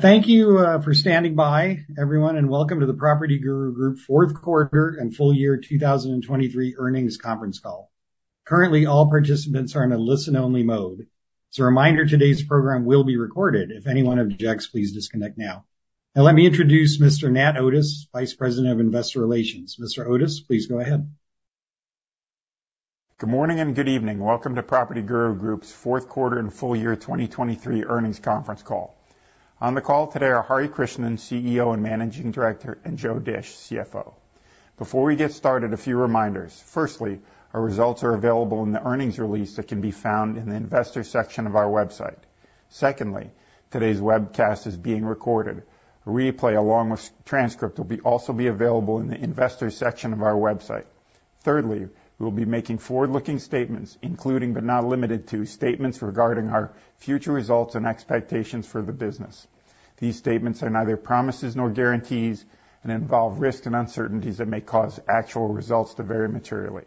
Thank you, for standing by, everyone, and welcome to the PropertyGuru Group fourth quarter and full year 2023 earnings conference call. Currently, all participants are in a listen-only mode. As a reminder, today's program will be recorded. If anyone objects, please disconnect now. Now, let me introduce Mr. Nat Otis, Vice President of Investor Relations. Mr. Otis, please go ahead. Good morning and good evening. Welcome to PropertyGuru Group's fourth quarter and full year 2023 earnings conference call. On the call today are Hari Krishnan, CEO and Managing Director, and Joe Dische, CFO. Before we get started, a few reminders: firstly, our results are available in the earnings release that can be found in the investor section of our website. Secondly, today's webcast is being recorded. A replay, along with transcript, will be also be available in the investor section of our website. Thirdly, we'll be making forward-looking statements, including but not limited to, statements regarding our future results and expectations for the business. These statements are neither promises nor guarantees and involve risks and uncertainties that may cause actual results to vary materially.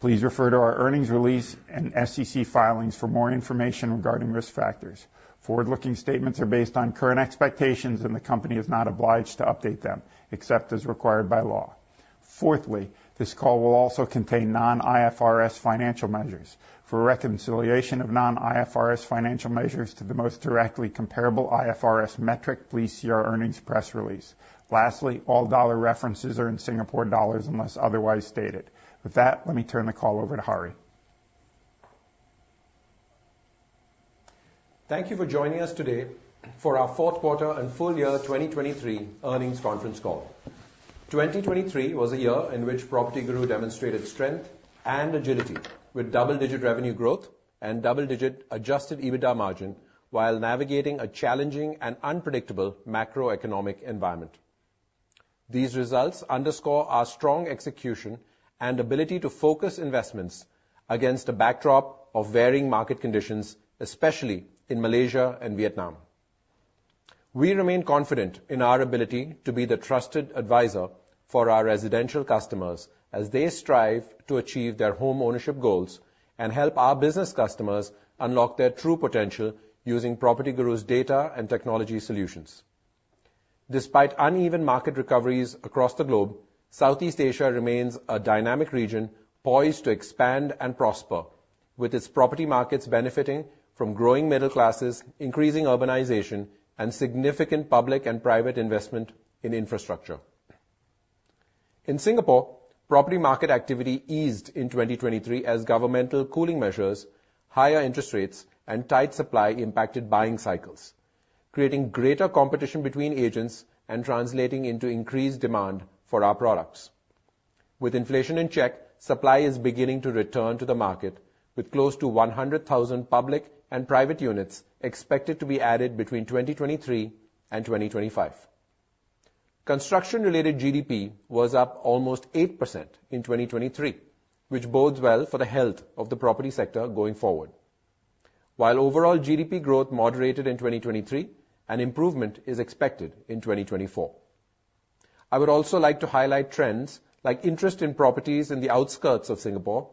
Please refer to our earnings release and SEC filings for more information regarding risk factors. Forward-looking statements are based on current expectations, and the company is not obliged to update them, except as required by law. Fourthly, this call will also contain non-IFRS financial measures. For reconciliation of non-IFRS financial measures to the most directly comparable IFRS metric, please see our earnings press release. Lastly, all dollar references are in Singapore dollars unless otherwise stated. With that, let me turn the call over to Hari. Thank you for joining us today for our fourth quarter and full year 2023 earnings conference call. 2023 was a year in which PropertyGuru demonstrated strength and agility with double-digit revenue growth and double-digit Adjusted EBITDA margin, while navigating a challenging and unpredictable macroeconomic environment. These results underscore our strong execution and ability to focus investments against a backdrop of varying market conditions, especially in Malaysia and Vietnam. We remain confident in our ability to be the trusted advisor for our residential customers as they strive to achieve their homeownership goals, and help our business customers unlock their true potential using PropertyGuru's data and technology solutions. Despite uneven market recoveries across the globe, Southeast Asia remains a dynamic region, poised to expand and prosper, with its property markets benefiting from growing middle classes, increasing urbanization, and significant public and private investment in infrastructure. In Singapore, property market activity eased in 2023 as governmental cooling measures, higher interest rates, and tight supply impacted buying cycles, creating greater competition between agents and translating into increased demand for our products. With inflation in check, supply is beginning to return to the market, with close to 100,000 public and private units expected to be added between 2023 and 2025. Construction-related GDP was up almost 8% in 2023, which bodes well for the health of the property sector going forward. While overall GDP growth moderated in 2023, an improvement is expected in 2024. I would also like to highlight trends, like interest in properties in the outskirts of Singapore,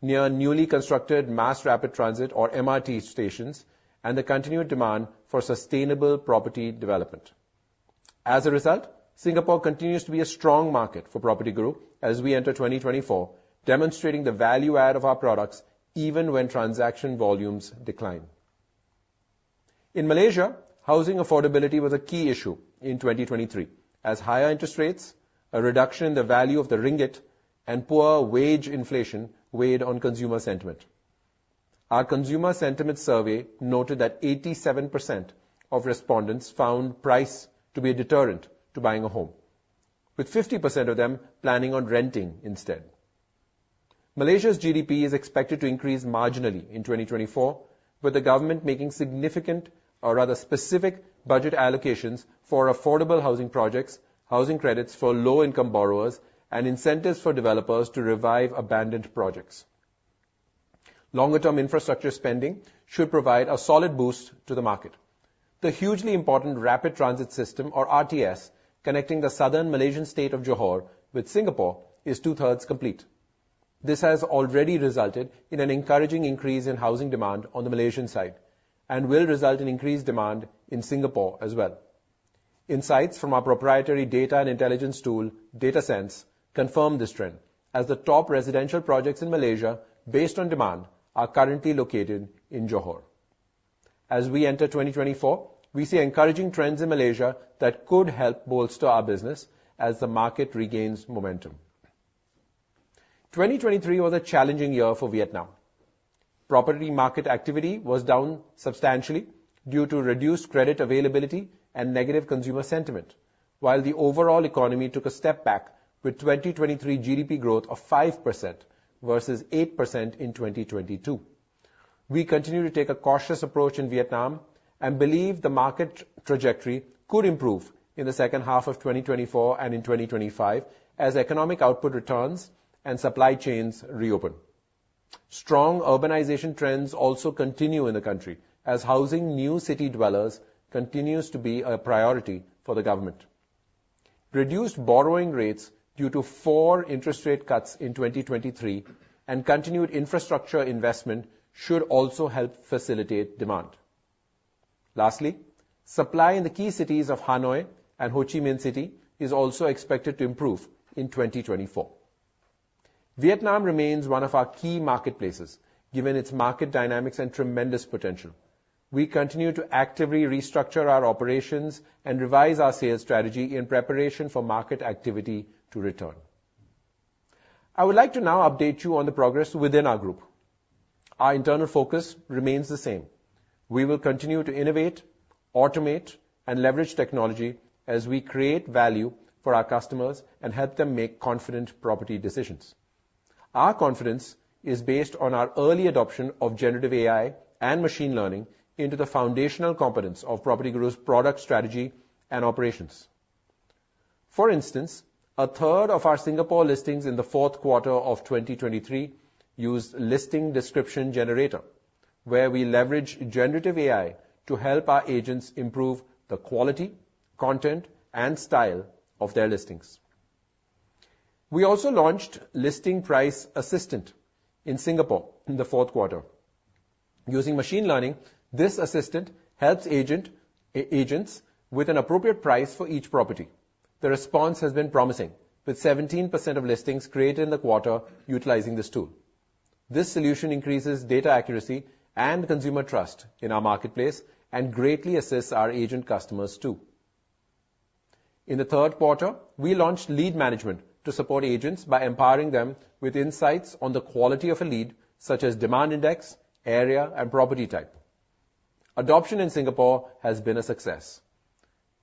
near newly constructed mass rapid transit, or MRT stations, and the continued demand for sustainable property development. As a result, Singapore continues to be a strong market for PropertyGuru as we enter 2024, demonstrating the value add of our products even when transaction volumes decline. In Malaysia, housing affordability was a key issue in 2023, as higher interest rates, a reduction in the value of the ringgit, and poor wage inflation weighed on consumer sentiment. Our consumer sentiment survey noted that 87% of respondents found price to be a deterrent to buying a home, with 50% of them planning on renting instead. Malaysia's GDP is expected to increase marginally in 2024, with the government making significant or rather specific budget allocations for affordable housing projects, housing credits for low-income borrowers, and incentives for developers to revive abandoned projects. Longer-term infrastructure spending should provide a solid boost to the market. The hugely important rapid transit system, or RTS, connecting the southern Malaysian state of Johor with Singapore, is two-thirds complete. This has already resulted in an encouraging increase in housing demand on the Malaysian side and will result in increased demand in Singapore as well. Insights from our proprietary data and intelligence tool, DataSense, confirm this trend, as the top residential projects in Malaysia, based on demand, are currently located in Johor. As we enter 2024, we see encouraging trends in Malaysia that could help bolster our business as the market regains momentum. 2023 was a challenging year for Vietnam. Property market activity was down substantially due to reduced credit availability and negative consumer sentiment. While the overall economy took a step back with 2023 GDP growth of 5% versus 8% in 2022. We continue to take a cautious approach in Vietnam and believe the market trajectory could improve in the second half of 2024 and in 2025, as economic output returns and supply chains reopen. Strong urbanization trends also continue in the country, as housing new city dwellers continues to be a priority for the government. Reduced borrowing rates due to four interest rate cuts in 2023, and continued infrastructure investment should also help facilitate demand. Lastly, supply in the key cities of Hanoi and Ho Chi Minh City is also expected to improve in 2024. Vietnam remains one of our key marketplaces, given its market dynamics and tremendous potential. We continue to actively restructure our operations and revise our sales strategy in preparation for market activity to return. I would like to now update you on the progress within our group. Our internal focus remains the same. We will continue to innovate, automate, and leverage technology as we create value for our customers and help them make confident property decisions. Our confidence is based on our early adoption of generative AI and machine learning into the foundational competence of PropertyGuru's product strategy and operations. For instance, a third of our Singapore listings in the fourth quarter of 2023 used Listing Description Generator, where we leverage generative AI to help our agents improve the quality, content, and style of their listings. We also launched Listing Price Assistant in Singapore in the fourth quarter. Using machine learning, this assistant helps agents with an appropriate price for each property. The response has been promising, with 17% of listings created in the quarter utilizing this tool. This solution increases data accuracy and consumer trust in our marketplace and greatly assists our agent customers, too. In the third quarter, we launched Lead Management to support agents by empowering them with insights on the quality of a lead, such as demand index, area, and property type. Adoption in Singapore has been a success.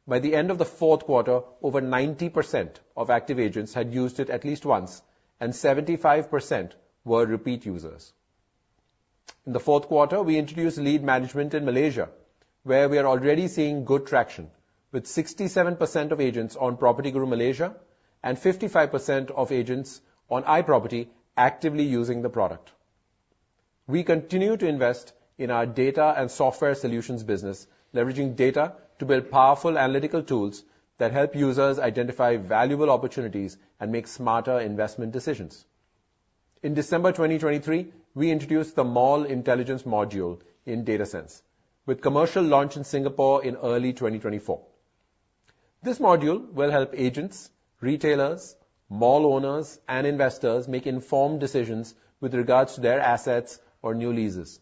By the end of the fourth quarter, over 90% of active agents had used it at least once, and 75% were repeat users. In the fourth quarter, we introduced Lead Management in Malaysia, where we are already seeing good traction, with 67% of agents on PropertyGuru Malaysia and 55% of agents on iProperty actively using the product. We continue to invest in our data and software solutions business, leveraging data to build powerful analytical tools that help users identify valuable opportunities and make smarter investment decisions. In December 2023, we introduced the Mall Intelligence module in DataSense, with commercial launch in Singapore in early 2024. This module will help agents, retailers, mall owners, and investors make informed decisions with regards to their assets or new leases.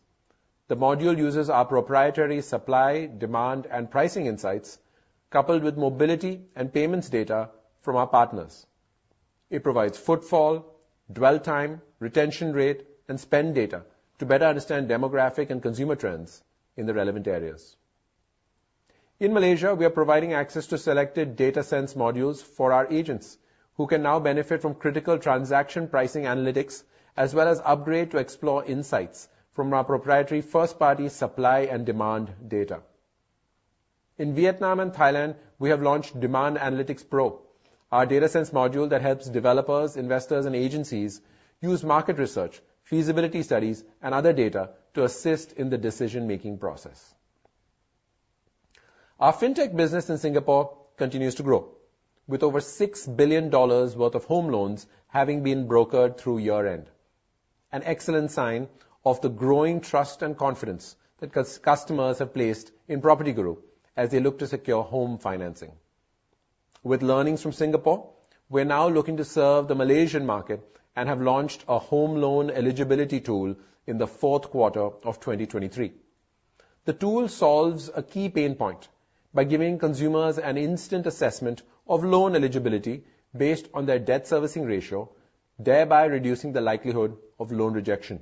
The module uses our proprietary supply, demand, and pricing insights, coupled with mobility and payments data from our partners. It provides footfall, dwell time, retention rate, and spend data to better understand demographic and consumer trends in the relevant areas. In Malaysia, we are providing access to selected DataSense modules for our agents, who can now benefit from critical transaction pricing analytics, as well as upgrade to explore insights from our proprietary first-party supply and demand data. In Vietnam and Thailand, we have launched Demand Analytics Pro, our DataSense module that helps developers, investors, and agencies use market research, feasibility studies, and other data to assist in the decision-making process. Our fintech business in Singapore continues to grow, with over 6 billion dollars worth of home loans having been brokered through year-end, an excellent sign of the growing trust and confidence that customers have placed in PropertyGuru as they look to secure home financing. With learnings from Singapore, we're now looking to serve the Malaysian market and have launched a home loan eligibility tool in the fourth quarter of 2023. The tool solves a key pain point by giving consumers an instant assessment of loan eligibility based on their debt servicing ratio, thereby reducing the likelihood of loan rejection.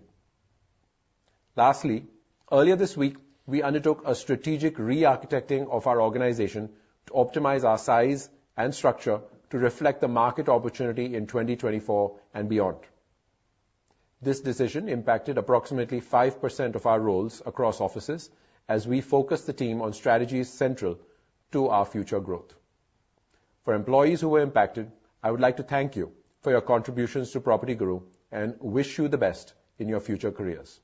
Lastly, earlier this week, we undertook a strategic re-architecting of our organization to optimize our size and structure to reflect the market opportunity in 2024 and beyond. This decision impacted approximately 5% of our roles across offices as we focus the team on strategies central to our future growth. For employees who were impacted, I would like to thank you for your contributions to PropertyGuru and wish you the best in your future careers.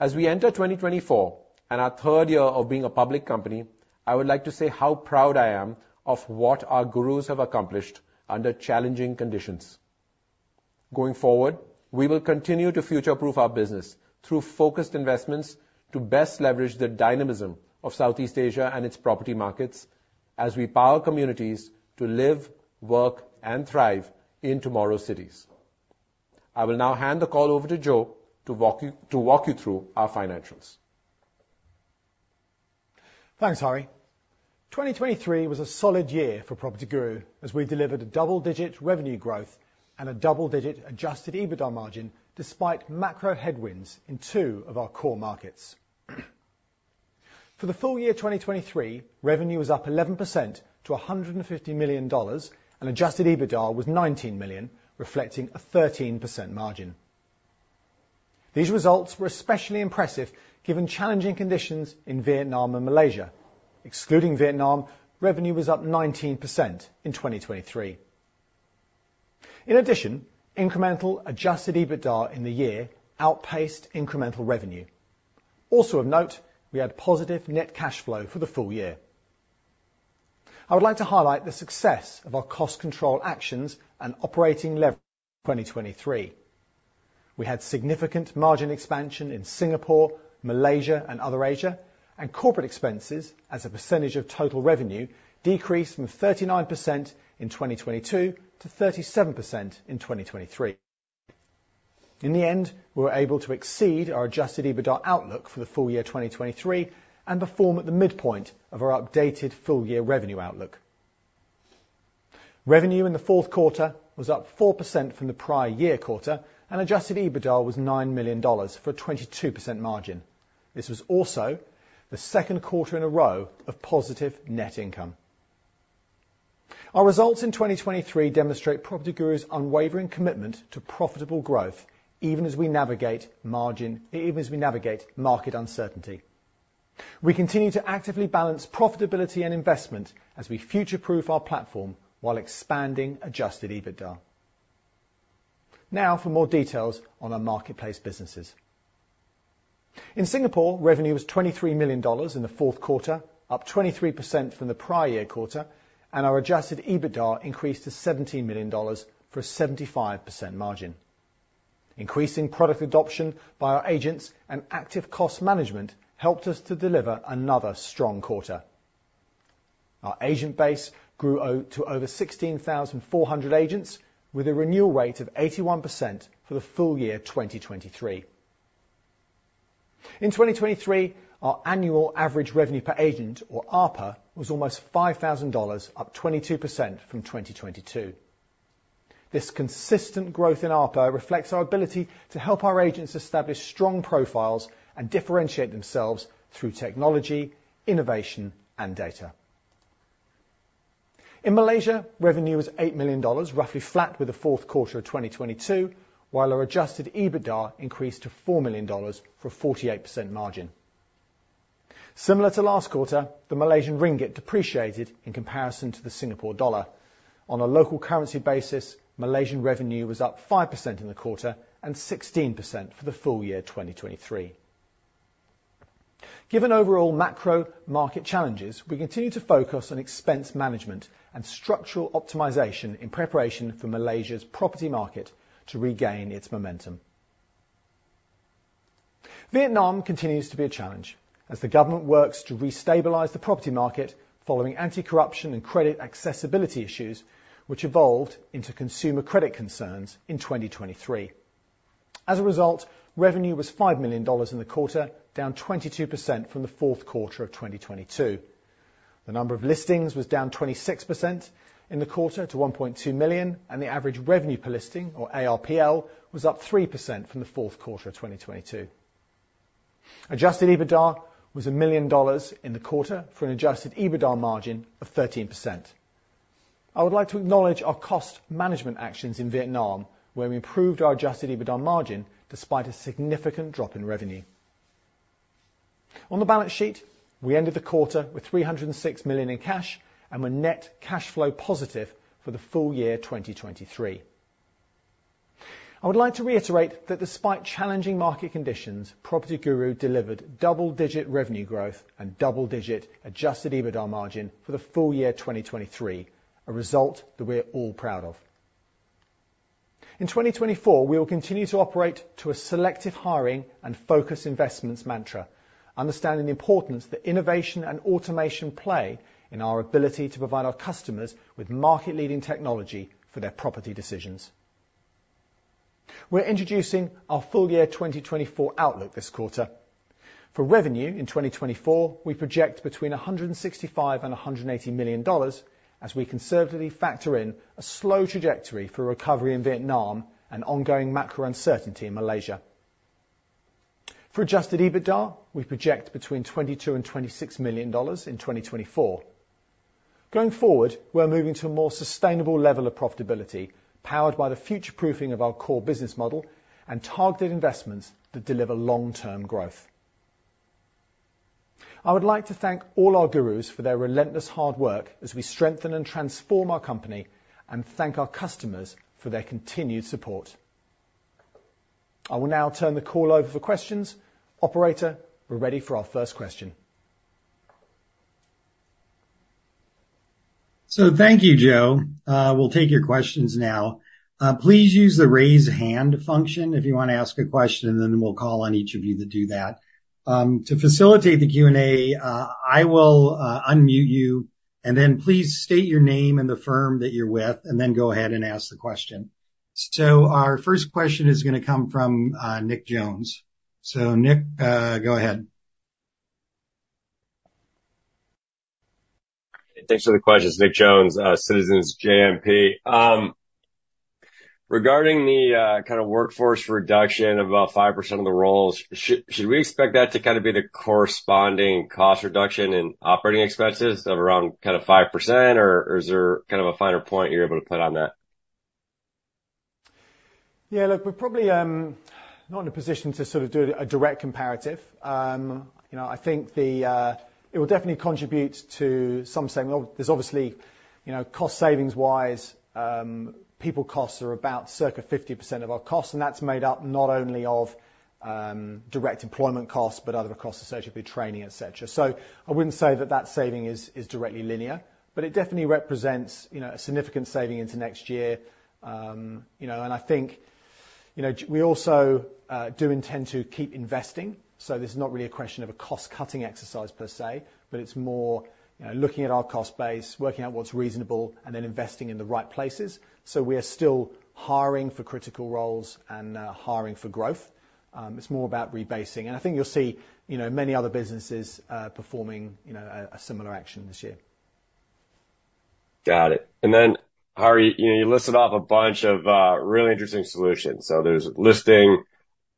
As we enter 2024 and our third year of being a public company, I would like to say how proud I am of what our Gurus have accomplished under challenging conditions. Going forward, we will continue to future-proof our business through focused investments to best leverage the dynamism of Southeast Asia and its property markets as we power communities to live, work, and thrive in tomorrow's cities. I will now hand the call over to Joe to walk you through our financials. Thanks, Hari. 2023 was a solid year for PropertyGuru, as we delivered a double-digit revenue growth and a double-digit adjusted EBITDA margin, despite macro headwinds in two of our core markets. For the full year 2023, revenue was up 11% to $150 million, and adjusted EBITDA was $19 million, reflecting a 13% margin. These results were especially impressive given challenging conditions in Vietnam and Malaysia. Excluding Vietnam, revenue was up 19% in 2023.... In addition, incremental adjusted EBITDA in the year outpaced incremental revenue. Also of note, we had positive net cash flow for the full year. I would like to highlight the success of our cost control actions and operating leverage in 2023. We had significant margin expansion in Singapore, Malaysia, and other Asia, and corporate expenses as a percentage of total revenue decreased from 39% in 2022 to 37% in 2023. In the end, we were able to exceed our adjusted EBITDA outlook for the full year 2023 and perform at the midpoint of our updated full year revenue outlook. Revenue in the fourth quarter was up 4% from the prior year quarter, and adjusted EBITDA was 9 million dollars for a 22% margin. This was also the second quarter in a row of positive net income. Our results in 2023 demonstrate PropertyGuru's unwavering commitment to profitable growth, even as we navigate market uncertainty. We continue to actively balance profitability and investment as we future-proof our platform while expanding adjusted EBITDA. Now for more details on our marketplace businesses. In Singapore, revenue was 23 million dollars in the fourth quarter, up 23% from the prior year quarter, and our Adjusted EBITDA increased to 17 million dollars, for a 75% margin. Increasing product adoption by our agents and active cost management helped us to deliver another strong quarter. Our agent base grew to over 16,400 agents, with a renewal rate of 81% for the full year of 2023. In 2023, our annual average revenue per agent, or ARPA, was almost $5,000, up 22% from 2022. This consistent growth in ARPA reflects our ability to help our agents establish strong profiles and differentiate themselves through technology, innovation, and data. In Malaysia, revenue was $8 million, roughly flat with the fourth quarter of 2022, while our Adjusted EBITDA increased to $4 million for a 48% margin. Similar to last quarter, the Malaysian ringgit depreciated in comparison to the Singapore dollar. On a local currency basis, Malaysian revenue was up 5% in the quarter and 16% for the full year 2023. Given overall macro market challenges, we continue to focus on expense management and structural optimization in preparation for Malaysia's property market to regain its momentum. Vietnam continues to be a challenge as the government works to restabilize the property market following anti-corruption and credit accessibility issues, which evolved into consumer credit concerns in 2023. As a result, revenue was $5 million in the quarter, down 22% from the fourth quarter of 2022. The number of listings was down 26% in the quarter to 1.2 million, and the average revenue per listing, or ARPL, was up 3% from the fourth quarter of 2022. Adjusted EBITDA was $1 million in the quarter for an adjusted EBITDA margin of 13%. I would like to acknowledge our cost management actions in Vietnam, where we improved our adjusted EBITDA margin despite a significant drop in revenue. On the balance sheet, we ended the quarter with $306 million in cash, and we're net cash flow positive for the full year 2023. I would like to reiterate that despite challenging market conditions, PropertyGuru delivered double-digit revenue growth and double-digit adjusted EBITDA margin for the full year 2023, a result that we're all proud of. In 2024, we will continue to operate to a selective hiring and focus investments mantra, understanding the importance that innovation and automation play in our ability to provide our customers with market-leading technology for their property decisions. We're introducing our full year 2024 outlook this quarter. For revenue in 2024, we project between $165 million and $180 million, as we conservatively factor in a slow trajectory for recovery in Vietnam and ongoing macro uncertainty in Malaysia. For Adjusted EBITDA, we project between $22 million and $26 million in 2024. Going forward, we're moving to a more sustainable level of profitability, powered by the future-proofing of our core business model and targeted investments that deliver long-term growth. I would like to thank all our Gurus for their relentless hard work as we strengthen and transform our company, and thank our customers for their continued support. I will now turn the call over for questions. Operator, we're ready for our first question. So thank you, Joe. We'll take your questions now. Please use the Raise Hand function if you wanna ask a question, and then we'll call on each of you to do that. To facilitate the Q&A, I will unmute you, and then please state your name and the firm that you're with, and then go ahead and ask the question. So our first question is gonna come from Nick Jones. So Nick, go ahead. Thanks for the questions. Nick Jones, Citizens JMP. Regarding the kind of workforce reduction of about 5% of the roles, should we expect that to kind of be the corresponding cost reduction in operating expenses of around kind of 5%, or is there kind of a finer point you're able to put on that?... Yeah, look, we're probably not in a position to sort of do a direct comparative. You know, I think it will definitely contribute to some segment. Obviously, there's obviously, you know, cost savings-wise, people costs are about circa 50% of our costs, and that's made up not only of direct employment costs, but other costs associated with training, et cetera. So I wouldn't say that that saving is directly linear, but it definitely represents, you know, a significant saving into next year. You know, and I think, you know, we also do intend to keep investing, so this is not really a question of a cost-cutting exercise per se, but it's more, you know, looking at our cost base, working out what's reasonable, and then investing in the right places. So we are still hiring for critical roles and hiring for growth. It's more about rebasing. And I think you'll see, you know, many other businesses performing, you know, a similar action this year. Got it. And then, Hari, you know, you listed off a bunch of really interesting solutions. So there's Listing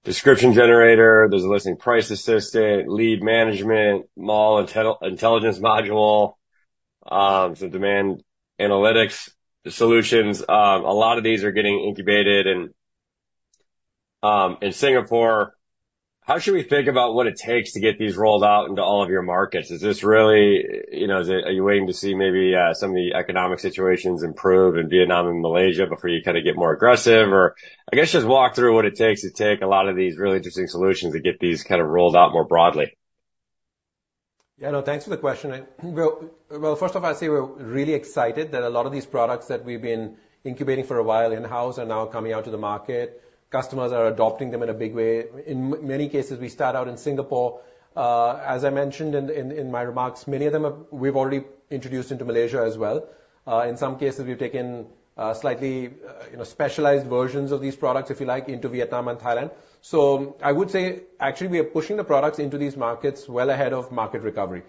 Description Generator, there's a Listing Price Assistant, Lead Management, Mall Intelligence module, some demand analytics solutions. A lot of these are getting incubated and in Singapore. How should we think about what it takes to get these rolled out into all of your markets? Is this really? You know, are you waiting to see maybe some of the economic situations improve in Vietnam and Malaysia before you kind of get more aggressive? Or I guess just walk through what it takes to take a lot of these really interesting solutions and get these kind of rolled out more broadly. Yeah, no, thanks for the question, and well, first off, I'd say we're really excited that a lot of these products that we've been incubating for a while in-house are now coming out to the market. Customers are adopting them in a big way. In many cases, we start out in Singapore. As I mentioned in my remarks, many of them are. We've already introduced into Malaysia as well. In some cases, we've taken slightly, you know, specialized versions of these products, if you like, into Vietnam and Thailand. So I would say, actually, we are pushing the products into these markets well ahead of market recovery,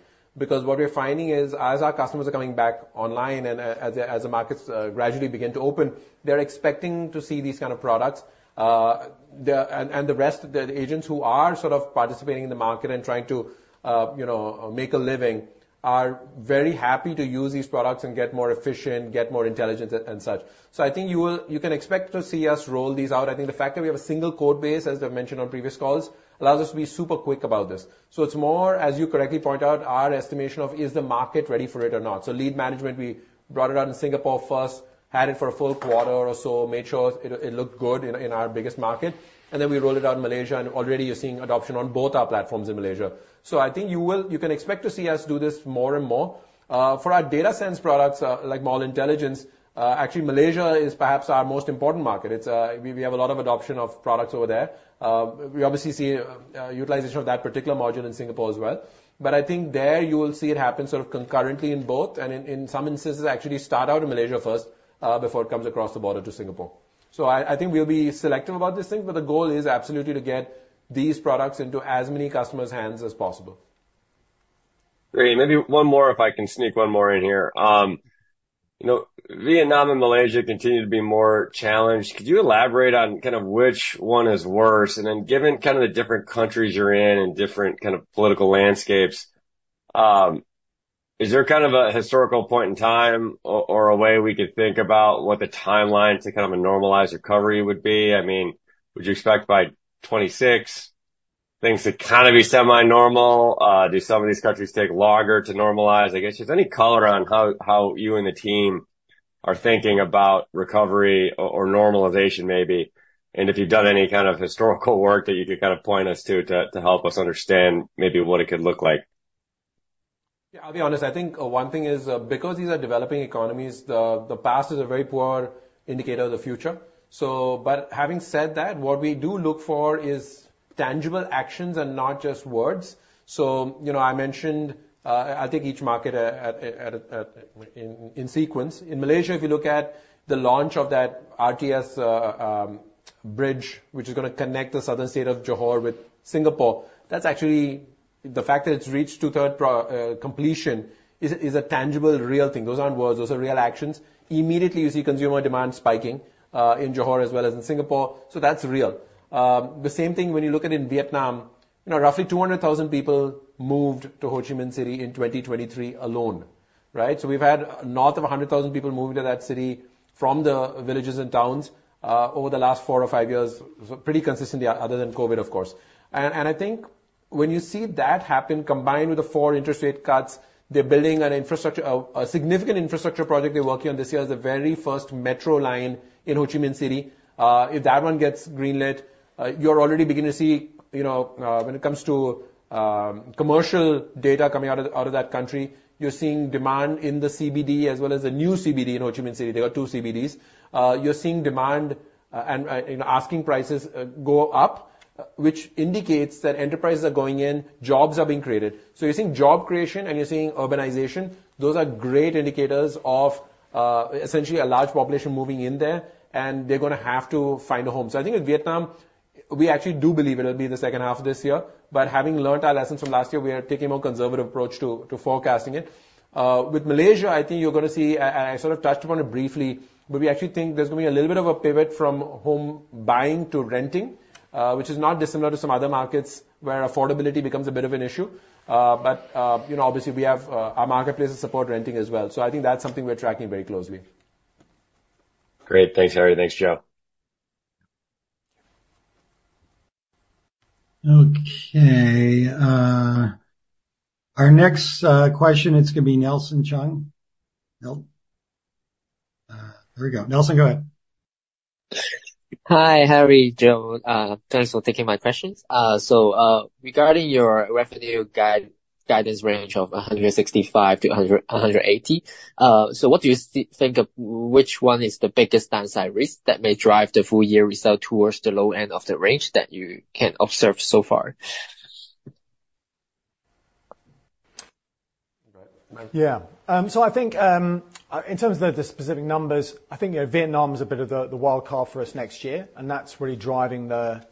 because what we're finding is, as our customers are coming back online and as the markets gradually begin to open, they're expecting to see these kind of products. The rest, the agents who are sort of participating in the market and trying to, you know, make a living, are very happy to use these products and get more efficient, get more intelligent, and such. So I think you can expect to see us roll these out. I think the fact that we have a single code base, as I've mentioned on previous calls, allows us to be super quick about this. So it's more, as you correctly point out, our estimation of, is the market ready for it or not? So Lead Management, we brought it out in Singapore first, had it for a full quarter or so, made sure it looked good in our biggest market, and then we rolled it out in Malaysia, and already you're seeing adoption on both our platforms in Malaysia. So I think you will—you can expect to see us do this more and more. For our data science products, like Mall Intelligence, actually, Malaysia is perhaps our most important market. It's, we have a lot of adoption of products over there. We obviously see utilization of that particular module in Singapore as well. But I think there you will see it happen sort of concurrently in both, and in some instances, actually start out in Malaysia first, before it comes across the border to Singapore. So I think we'll be selective about this thing, but the goal is absolutely to get these products into as many customers' hands as possible. Great. Maybe one more, if I can sneak one more in here. You know, Vietnam and Malaysia continue to be more challenged. Could you elaborate on kind of which one is worse? And then, given kind of the different countries you're in and different kind of political landscapes, is there kind of a historical point in time or a way we could think about what the timeline to kind of a normalized recovery would be? I mean, would you expect by 2026 things to kind of be semi-normal? Do some of these countries take longer to normalize? I guess, just any color on how you and the team are thinking about recovery or normalization, maybe, and if you've done any kind of historical work that you could kind of point us to help us understand maybe what it could look like. Yeah, I'll be honest. I think one thing is, because these are developing economies, the past is a very poor indicator of the future. So, but having said that, what we do look for is tangible actions and not just words. So, you know, I mentioned... I'll take each market in sequence. In Malaysia, if you look at the launch of that RTS bridge, which is gonna connect the southern state of Johor with Singapore, that's actually... The fact that it's reached two-thirds completion, is a tangible, real thing. Those aren't words, those are real actions. Immediately, you see consumer demand spiking in Johor as well as in Singapore, so that's real. The same thing when you look at in Vietnam, you know, roughly 200,000 people moved to Ho Chi Minh City in 2023 alone, right? So we've had north of 100,000 people move to that city from the villages and towns over the last 4 or 5 years. So pretty consistently, other than COVID, of course. And I think when you see that happen, combined with the four interest rate cuts, they're building an infrastructure, a significant infrastructure project they're working on this year is the very first metro line in Ho Chi Minh City. If that one gets greenlit, you're already beginning to see, you know, when it comes to commercial data coming out of that country, you're seeing demand in the CBD as well as the new CBD in Ho Chi Minh City. There are two CBDs. You're seeing demand and asking prices go up, which indicates that enterprises are going in, jobs are being created. So you're seeing job creation, and you're seeing urbanization. Those are great indicators of essentially a large population moving in there, and they're gonna have to find a home. So I think in Vietnam, we actually do believe it'll be the second half of this year, but having learned our lessons from last year, we are taking a more conservative approach to forecasting it. With Malaysia, I think you're gonna see, and I sort of touched upon it briefly, but we actually think there's gonna be a little bit of a pivot from home buying to renting, which is not dissimilar to some other markets, where affordability becomes a bit of an issue. But, you know, obviously, we have our marketplace support renting as well. So I think that's something we're tracking very closely. Great. Thanks, Hari. Thanks, Joe.... Okay, our next question, it's gonna be Nelson Cheung. Nelson? Here we go. Nelson, go ahead. Hi, Hari, Joe. Thanks for taking my questions. So, regarding your revenue guidance range of 165-180, so what do you think of which one is the biggest downside risk that may drive the full year result towards the low end of the range that you can observe so far? Yeah. So I think, in terms of the specific numbers, I think, you know, Vietnam is a bit of a wild card for us next year, and that's really driving the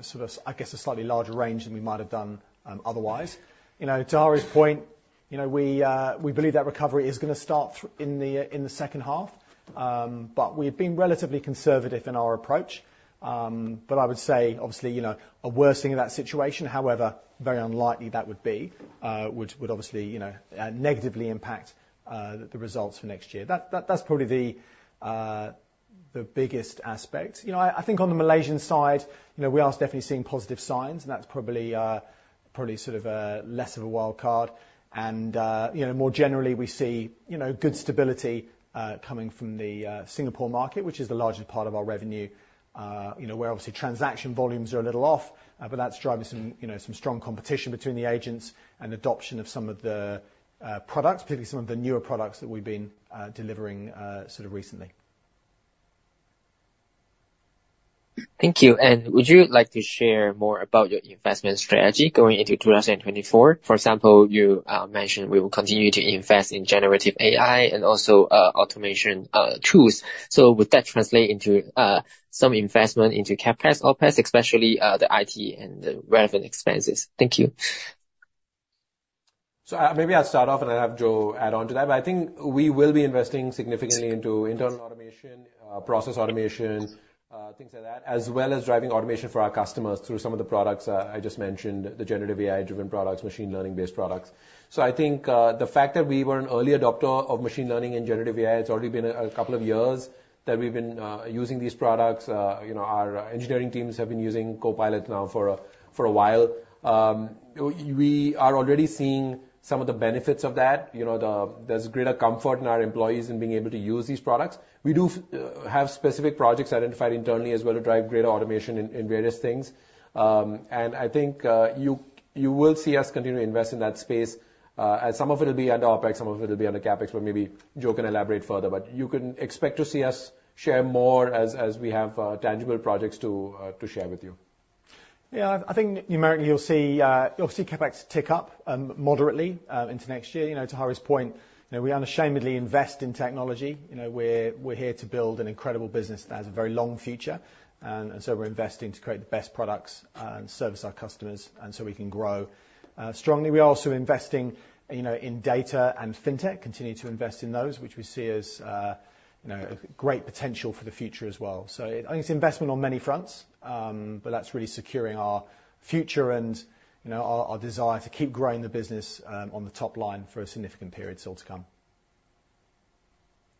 sort of, I guess, a slightly larger range than we might have done, otherwise. You know, to Harry's point, you know, we believe that recovery is gonna start in the second half. But we've been relatively conservative in our approach. But I would say, obviously, you know, a worsening of that situation, however, very unlikely that would be, would obviously, you know, negatively impact the results for next year. That, that's probably the biggest aspect. You know, I think on the Malaysian side, you know, we are definitely seeing positive signs, and that's probably sort of less of a wild card. You know, more generally, we see, you know, good stability coming from the Singapore market, which is the largest part of our revenue, you know, where obviously transaction volumes are a little off, but that's driving some, you know, some strong competition between the agents and adoption of some of the products, particularly some of the newer products that we've been delivering sort of recently. Thank you. And would you like to share more about your investment strategy going into 2024? For example, you mentioned we will continue to invest in generative AI and also automation tools. So would that translate into some investment into CapEx, OpEx, especially the IT and the relevant expenses? Thank you. So, maybe I'll start off, and I'll have Joe add on to that. But I think we will be investing significantly into internal automation, process automation, things like that, as well as driving automation for our customers through some of the products I just mentioned, the generative AI-driven products, machine learning-based products. So I think, the fact that we were an early adopter of machine learning and generative AI, it's already been a couple of years that we've been using these products. You know, our engineering teams have been using Copilot now for a while. We are already seeing some of the benefits of that. You know, there's greater comfort in our employees in being able to use these products. We do have specific projects identified internally as well to drive greater automation in various things. And I think you will see us continue to invest in that space, and some of it will be under OpEx, some of it will be under CapEx, but maybe Joe can elaborate further. But you can expect to see us share more as we have tangible projects to share with you. Yeah, I think numerically you'll see CapEx tick up moderately into next year. You know, to Hari's point, you know, we unashamedly invest in technology. You know, we're here to build an incredible business that has a very long future, and so we're investing to create the best products and service our customers, and so we can grow strongly. We are also investing, you know, in data and fintech, continue to invest in those, which we see as, you know, a great potential for the future as well. So I think it's investment on many fronts, but that's really securing our future and, you know, our, our desire to keep growing the business, on the top line for a significant period still to come.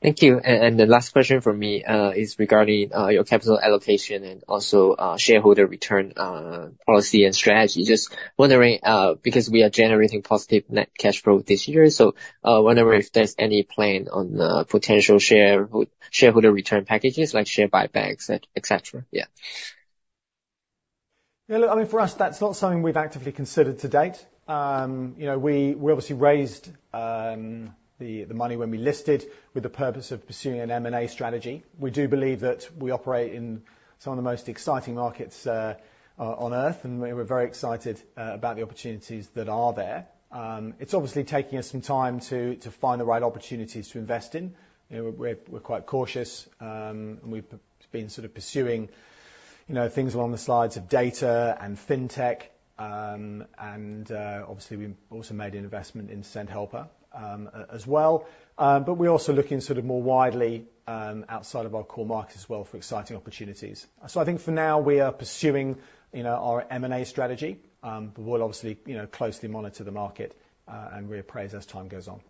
Thank you. And the last question from me is regarding your capital allocation and also shareholder return policy and strategy. Just wondering, because we are generating positive net cash flow this year, so wondering if there's any plan on potential shareholder return packages, like share buybacks, et cetera? Yeah. Yeah, look, I mean, for us, that's not something we've actively considered to date. You know, we obviously raised the money when we listed with the purpose of pursuing an M&A strategy. We do believe that we operate in some of the most exciting markets on Earth, and we're very excited about the opportunities that are there. It's obviously taking us some time to find the right opportunities to invest in. You know, we're quite cautious, and we've been sort of pursuing, you know, things along the lines of data and fintech. And obviously, we also made an investment in Sendhelper as well. But we're also looking sort of more widely outside of our core markets as well for exciting opportunities. I think for now, we are pursuing, you know, our M&A strategy. But we'll obviously, you know, closely monitor the market, and reappraise as time goes on.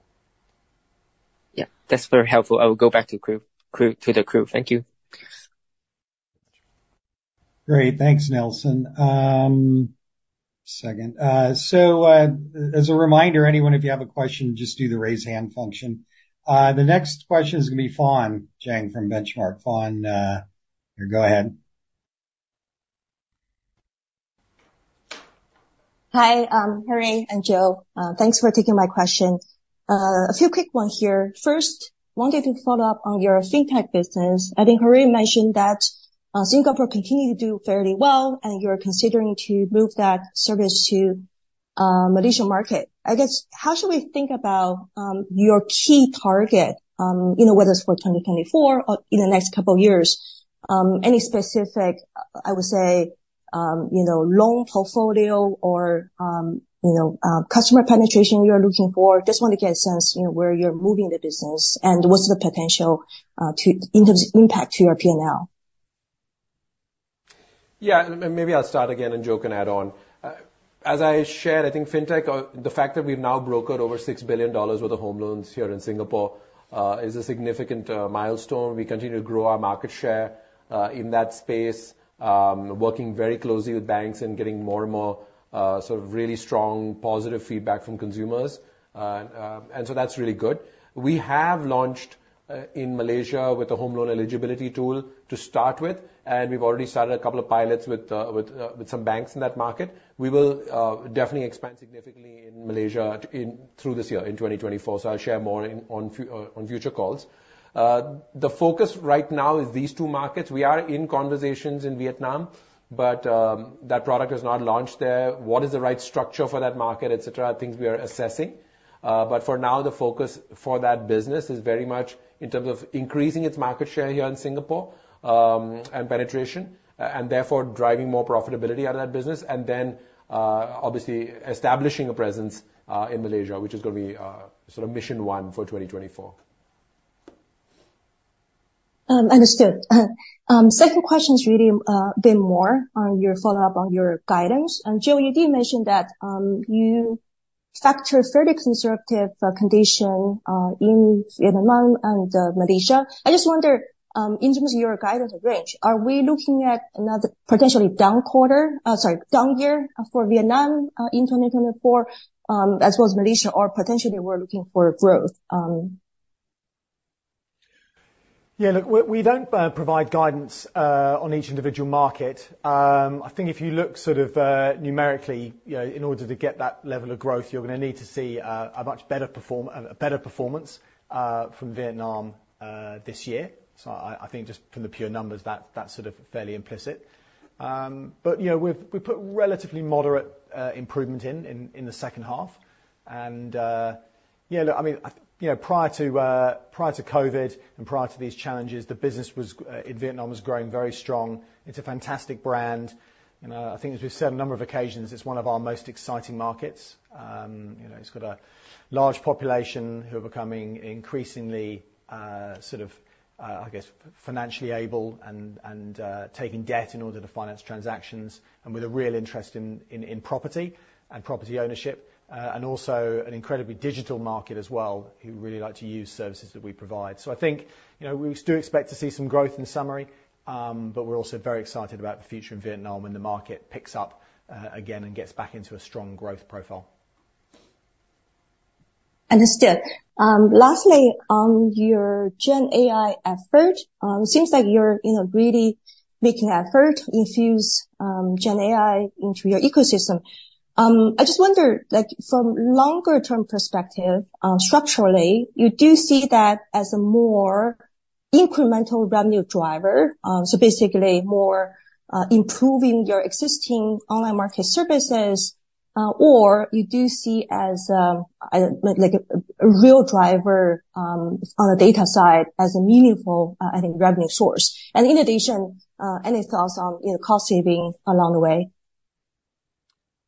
Yeah, that's very helpful. I will go back to you. Thank you. Great. Thanks, Nelson. Just a second. So, as a reminder, anyone, if you have a question, just do the raise hand function. The next question is gonna be Fawne Jiang from Benchmark. Fawn, here, go ahead. Hi, Hari and Joe. Thanks for taking my question. A few quick ones here. First, wanted to follow up on your fintech business. I think Hari mentioned that, Singapore continued to do fairly well, and you're considering to move that service to, Malaysian market. I guess, how should we think about, your key target, you know, whether it's for 2024 or in the next couple of years? Any specific, I would say, you know, loan portfolio or, you know, customer penetration you're looking for? Just want to get a sense, you know, where you're moving the business and what's the potential to in terms of impact to your P&L. Maybe I'll start again, and Joe can add on. ...As I shared, I think Fintech, the fact that we've now brokered over 6 billion dollars worth of home loans here in Singapore, is a significant milestone. We continue to grow our market share, in that space, working very closely with banks and getting more and more, sort of really strong, positive feedback from consumers. And so that's really good. We have launched, in Malaysia with a home loan eligibility tool to start with, and we've already started a couple of pilots with some banks in that market. We will, definitely expand significantly in Malaysia in through this year, in 2024. So I'll share more in, on future calls. The focus right now is these two markets. We are in conversations in Vietnam, but, that product is not launched there. What is the right structure for that market, et cetera, are things we are assessing. But for now, the focus for that business is very much in terms of increasing its market share here in Singapore, and penetration, and therefore driving more profitability out of that business, and then, obviously establishing a presence, in Malaysia, which is gonna be, sort of mission 1 for 2024. Understood. Second question is really a bit more on your follow-up on your guidance. And Joe, you did mention that you factor fairly conservative condition in Vietnam and Malaysia. I just wonder in terms of your guidance range, are we looking at another potentially down quarter, sorry, down year for Vietnam in 2024 as well as Malaysia, or potentially we're looking for growth? Yeah, look, we don't provide guidance on each individual market. I think if you look sort of numerically, you know, in order to get that level of growth, you're gonna need to see a much better performance from Vietnam this year. So I think just from the pure numbers, that's sort of fairly implicit. But you know, we put relatively moderate improvement in the second half. Yeah, look, I mean, you know, prior to COVID and prior to these challenges, the business in Vietnam was growing very strong. It's a fantastic brand, and I think as we've said a number of occasions, it's one of our most exciting markets. You know, it's got a large population who are becoming increasingly sort of, I guess, financially able and taking debt in order to finance transactions, and with a real interest in property and property ownership. And also an incredibly digital market as well, who really like to use services that we provide. So I think, you know, we do expect to see some growth in summary, but we're also very excited about the future in Vietnam when the market picks up again and gets back into a strong growth profile. Understood. Lastly, on your Gen AI effort, it seems like you're, you know, really making an effort to infuse, Gen AI into your ecosystem. I just wonder, like, from longer term perspective, structurally, you do see that as a more incremental revenue driver, so basically more, improving your existing online market services, or you do see as, like a, a real driver, on the data side, as a meaningful, I think, revenue source? And in addition, any thoughts on, you know, cost saving along the way?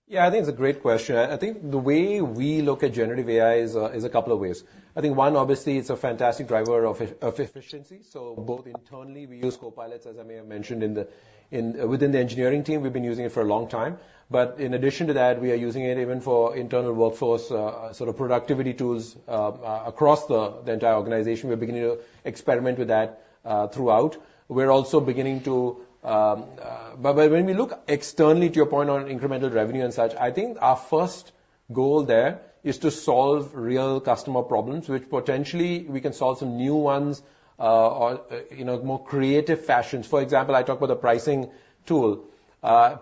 Yeah, I think it's a great question. I think the way we look at generative AI is a couple of ways. I think, one, obviously, it's a fantastic driver of efficiency. So both internally, we use Copilot, as I may have mentioned, within the engineering team, we've been using it for a long time. But in addition to that, we are using it even for internal workforce sort of productivity tools across the entire organization. We're beginning to experiment with that throughout. We're also beginning to. But when we look externally, to your point on incremental revenue and such, I think our first goal there is to solve real customer problems, which potentially we can solve some new ones or you know, more creative fashions. For example, I talked about the pricing tool.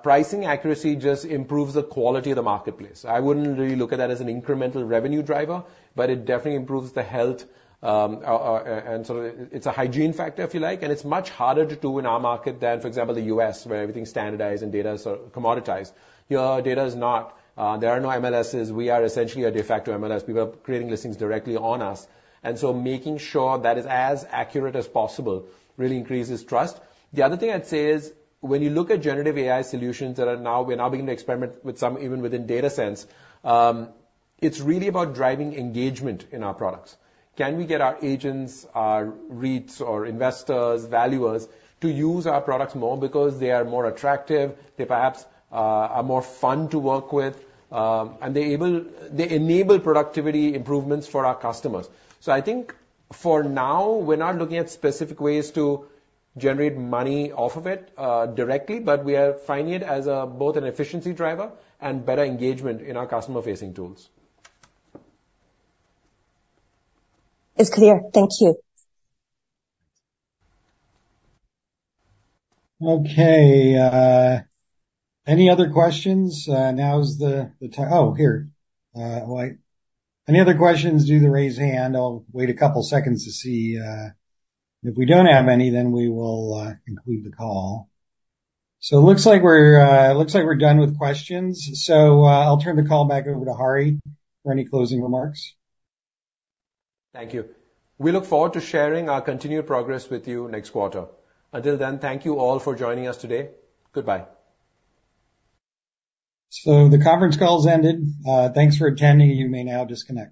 Pricing accuracy just improves the quality of the marketplace. I wouldn't really look at that as an incremental revenue driver, but it definitely improves the health, and so it's a hygiene factor, if you like, and it's much harder to do in our market than, for example, the U.S., where everything's standardized and data is sort of commoditized. Here, our data is not, there are no MLSs. We are essentially a de facto MLS. People are creating listings directly on us, and so making sure that is as accurate as possible really increases trust. The other thing I'd say is, when you look at generative AI solutions that are now, we're now beginning to experiment with some, even within DataSense, it's really about driving engagement in our products. Can we get our agents, our REITs or investors, valuers, to use our products more because they are more attractive, they perhaps, are more fun to work with, and they enable productivity improvements for our customers? So I think for now, we're not looking at specific ways to generate money off of it, directly, but we are finding it as a both an efficiency driver and better engagement in our customer-facing tools. It's clear. Thank you. Okay, any other questions? Alright. Any other questions, do the raise hand. I'll wait a couple seconds to see... If we don't have any, then we will conclude the call. So it looks like we're done with questions, so I'll turn the call back over to Hari for any closing remarks. Thank you. We look forward to sharing our continued progress with you next quarter. Until then, thank you all for joining us today. Goodbye. So the conference call has ended. Thanks for attending. You may now disconnect.